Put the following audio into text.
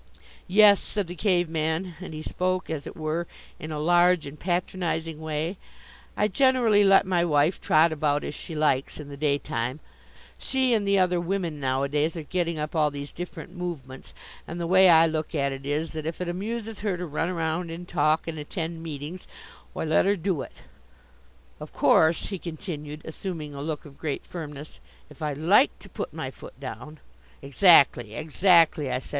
"Yes," said the Cave man, and he spoke, as it were, in a large and patronizing way. "I generally let my wife trot about as she likes in the daytime. She and the other women nowadays are getting up all these different movements, and the way I look at it is that if it amuses her to run around and talk and attend meetings, why let her do it. Of course," he continued, assuming a look of great firmness, "if I liked to put my foot down " "Exactly, exactly," I said.